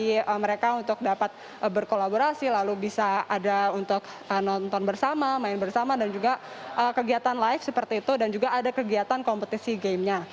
jadi mereka untuk dapat berkolaborasi lalu bisa ada untuk nonton bersama main bersama dan juga kegiatan live seperti itu dan juga ada kegiatan kompetisi gamenya